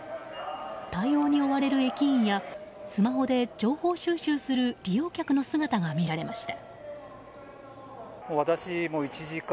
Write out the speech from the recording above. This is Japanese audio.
対応に追われる駅員やスマホで情報収集する利用客の姿が見られました。